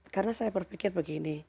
karena saya berpikir begini